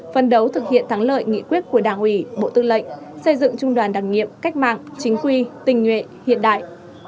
phân đấu thực hiện thắng lợi nghị quyết của đảng ủy bộ tư lệnh xây dựng trung đoàn đặc nhiệm cách mạng chính quy tình nguyện hiện đại